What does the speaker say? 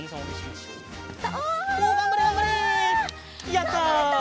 やった！